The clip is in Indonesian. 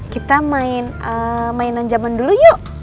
kita mainan zaman dulu yuk